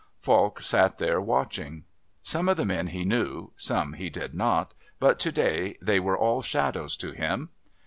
Falk sat there watching. Some of the men he knew, some he did not, but to day they were all shadows to him.